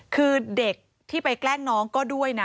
คือเด็กที่ไปแกล้งน้องก็ด้วยนะ